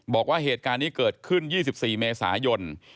บอกว่าเหตุการณ์นี้เกิดขึ้น๒๔เมษายน